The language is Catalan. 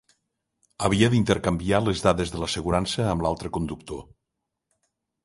Havia d'intercanviar les dades de l'assegurança amb l'altre conductor.